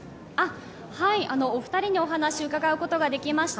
お二人にお話を伺うことができました。